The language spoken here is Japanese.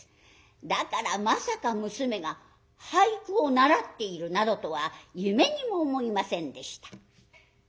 だからまさか娘が俳句を習っているなどとは夢にも思いませんでした。